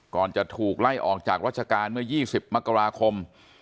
ก่อนจะถูกไล่ออกจากราชการเมื่อ๒๐มกราคม